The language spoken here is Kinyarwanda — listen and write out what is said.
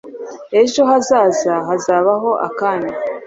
ejo hazaza hazabaho akanya